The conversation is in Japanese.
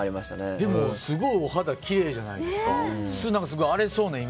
でも、すごいお肌きれいじゃないですか。